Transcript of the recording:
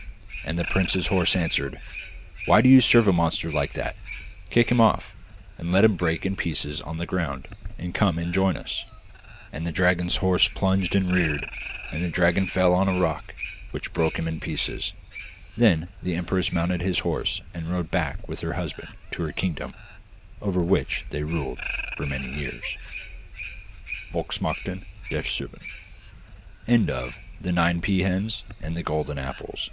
And the prince's horse answered, 'Why do you serve a monster like that? Kick him off, and let him break in pieces on the ground, and come and join us.' And the dragon's horse plunged and reared, and the dragon fell on a rock, which broke him in pieces. Then the empress mounted his horse, and rode back with her husband to her kingdom, over which they ruled for many years. (Volksmarchen der Serben.)